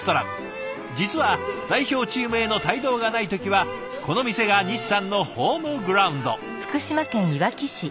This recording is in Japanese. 実は代表チームへの帯同がない時はこの店が西さんのホームグラウンド。